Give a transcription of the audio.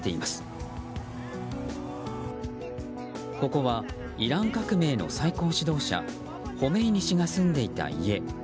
ここは、イラン革命の最高指導者ホメイニ師が住んでいた家。